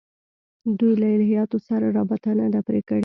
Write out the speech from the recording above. دوی له الهیاتو سره رابطه نه ده پرې کړې.